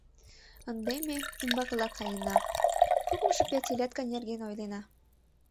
Ынде ме умбакыла каена... кокымшо пятилетка нерген ойлена.